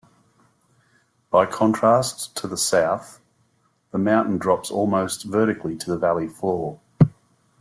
By contrast, to the south, the mountain drops almost vertically to the valley floor.